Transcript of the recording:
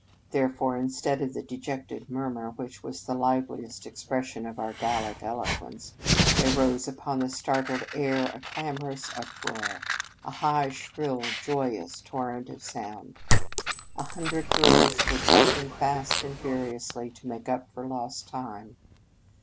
Therefore, instead of the dejected murmur which was the liveliest expression of our Gallic elo quence, there rose upon the startled air a clamorous uproar, a high, shrill, joyous torrent of sound. A hundred girls were talking fast and furiously to make up for lost time.